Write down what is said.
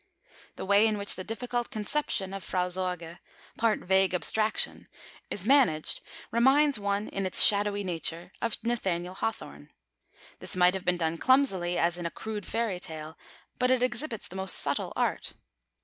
The way in which the difficult conception of Frau Sorge part woman, part vague abstraction is managed, reminds one in its shadowy nature of Nathaniel Hawthorne. This might have been done clumsily, as in a crude fairy tale, but it exhibits the most subtle art.